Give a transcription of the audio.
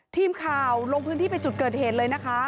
ทีมข่าวลงพื้นที่ไปจุดเกิดเหตุเลยนะคะ